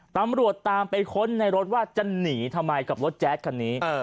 ตำรวจตามไปค้นในรถว่าจะหนีทำไมกับรถแจ๊ดคันนี้